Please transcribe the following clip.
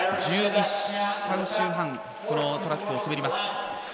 １３周半のトラックを滑ります。